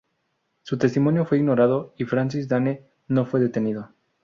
Su testimonio fue ignorado y Francis Dane no fue detenido.